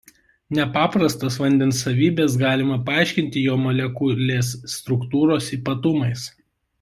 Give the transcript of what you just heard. Nepaprastas vandens savybes galima paaiškinti jo molekulės struktūros ypatumais.